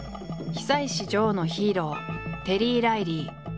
久石譲のヒーローテリー・ライリー。